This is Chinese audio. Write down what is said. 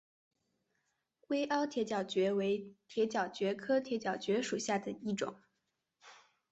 微凹铁角蕨为铁角蕨科铁角蕨属下的一个种。